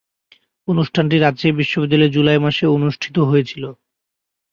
অনুষ্ঠানটি রাজশাহী বিশ্বনিদ্যালয়ে জুলাই মাসে অনুষ্ঠিত হয়েছিলো।